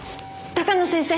鷹野先生！